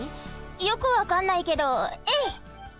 よくわかんないけどえいっ！